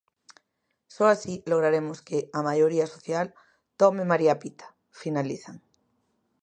Só así lograremos que a maioría social tome María Pita, finalizan.